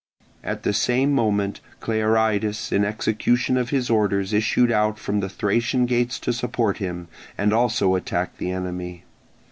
At the same moment Clearidas in execution of his orders issued out from the Thracian gates to support him, and also attacked the enemy.